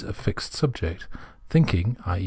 a fixed subject. Thinking [i.e.